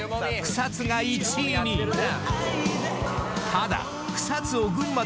［ただ］